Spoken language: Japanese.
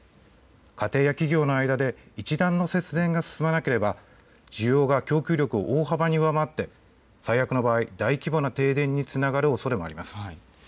家庭や企業の間で一段の節電が進まなければ需要が供給力を大幅に上回って最悪の場合、大規模な停電につながるおそれもあります。